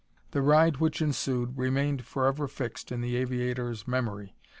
The ride which ensued remained forever fixed in the aviator's memory.